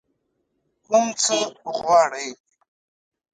کوم څه غواړئ؟